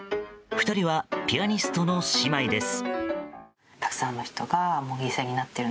２人は、ピアニストの姉妹です。